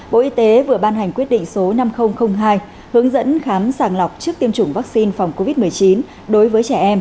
bộ y tế vừa ban hành quyết định số năm nghìn hai hướng dẫn khám sàng lọc trước tiêm chủng vắc xin phòng covid một mươi chín